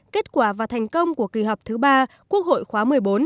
kết quả và thành công của kỳ họp thứ ba quốc hội khóa một mươi bốn